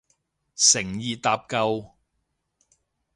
誠意搭救